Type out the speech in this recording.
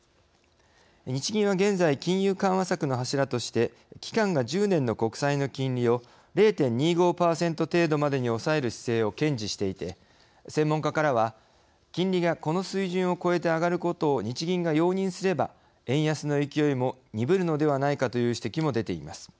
日銀は現在金融緩和策の柱として期間が１０年の国債の金利を０．２５％程度までに抑える姿勢を堅持していて専門家からは金利がこの水準を超えて上がることを日銀が容認すれば円安の勢いも鈍るのではないかという指摘も出ています。